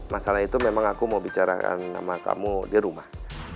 masalah itu memang aku mau bicarakan sama kamu di rumah